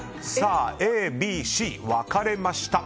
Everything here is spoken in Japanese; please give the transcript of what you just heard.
Ａ、Ｂ、Ｃ、分かれました。